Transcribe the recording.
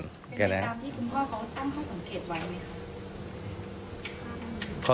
คุณพ่อเขาตั้งข้อสังเกตไว้ไหม